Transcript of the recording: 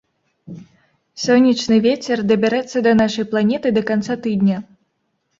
Сонечны вецер дабярэцца да нашай планеты да канца тыдня.